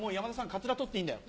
かつら取っていいんだよ。